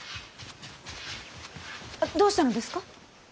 どうしたのですか？